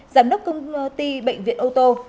giám đốc công ty bệnh viện ô tô